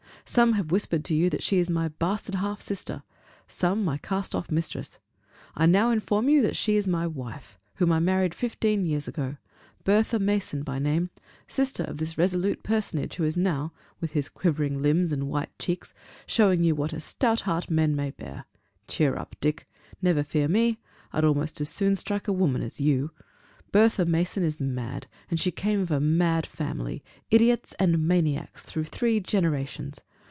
Some have whispered to you that she is my bastard half sister; some, my cast off mistress: I now inform you that she is my wife, whom I married fifteen years ago Bertha Mason by name; sister of this resolute personage who is now, with his quivering limbs and white cheeks, showing you what a stout heart men may bear. Cheer up, Dick! never fear me! I'd almost as soon strike a woman as you. Bertha Mason is mad; and she came of a mad family idiots and maniacs through three generations!